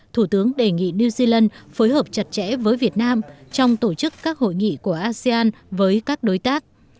thủ tướng đề nghị new zealand phối hợp chặt chẽ với việt nam trong tổ chức các hội nghị của asean với các đối tác